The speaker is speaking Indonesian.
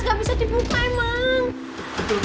gak bisa dibuka emang